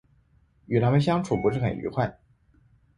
与他们相处不是很愉快